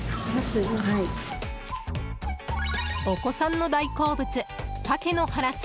お子さんの大好物サケのハラス。